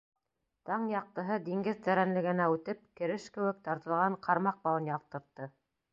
Таң яҡтыһы, диңгеҙ тәрәнлегенә үтеп, кереш кеүек тартылған ҡармаҡ бауын яҡтыртты.